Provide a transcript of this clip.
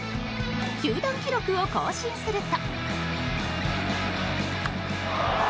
球団記録を更新すると。